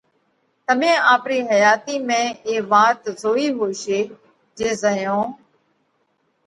تمي آپرِي حياتِي ۾ اي وات زوئي ھوشي جي زئيون